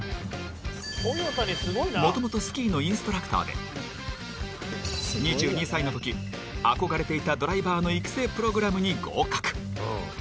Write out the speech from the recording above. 元々スキーのインストラクターで２２歳の時、憧れていたドライバーの育成プログラムに合格。